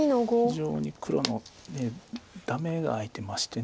非常に黒のダメが空いてまして。